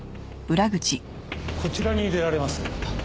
こちらに出られます。